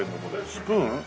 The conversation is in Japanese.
スプーン？